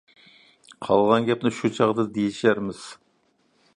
قالغان گەپنى شۇ چاغدا دېيىشەرمىز.